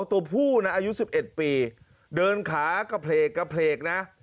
ตัวผู้นะอายุ๑๑ปีเดินขากระเพลกนะ